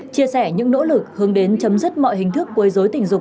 chia sẻ những nỗ lực hướng đến chấm dứt mọi hình thức quấy dối tình dục